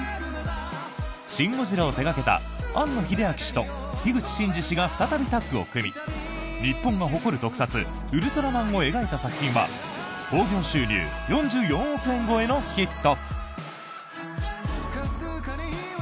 「シン・ゴジラ」を手掛けた庵野秀明氏と樋口真嗣氏が再びタッグを組み日本が誇る特撮「ウルトラマン」を描いた作品は興行収入４４億円超えのヒット。